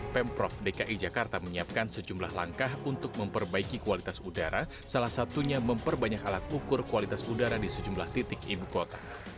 pemprov dki jakarta menyiapkan sejumlah langkah untuk memperbaiki kualitas udara salah satunya memperbanyak alat ukur kualitas udara di sejumlah titik ibu kota